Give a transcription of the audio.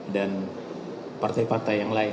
dan partai partai yang lain